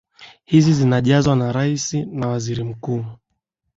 hizi zinajazwa na rais na waziri mkuu